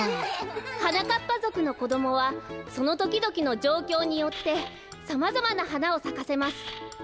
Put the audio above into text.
はなかっぱぞくのこどもはそのときどきのじょうきょうによってさまざまなはなをさかせます。